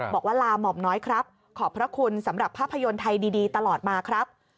บอกว่าลาหม่อมน้อยครับขอบพระคุณสำหรับภาพยนตร์ไทยดีตลอดมาครับ